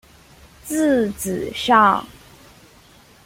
字子上。